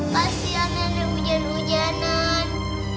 kasian nenek hujan hujanan